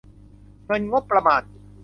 เงินงบประมาณ